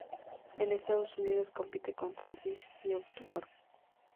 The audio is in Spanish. En Estados Unidos, compite contra Dish Network.